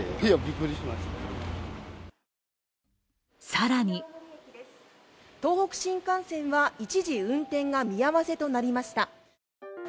更に東北新幹線は一時、運転が見合わせとなりました。